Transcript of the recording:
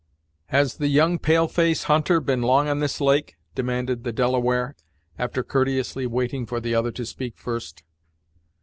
"Has the young pale face hunter been long on this lake?" demanded the Delaware, after courteously waiting for the other to speak first.